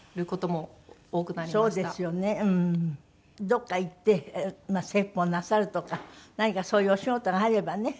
どこか行って説法なさるとか何かそういうお仕事があればね